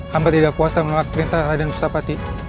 hamba tidak kuasa menolak perintah raden ustapati